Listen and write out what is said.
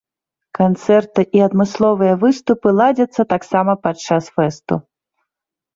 Канцэрты і адмысловыя выступы ладзяцца таксама падчас фэсту.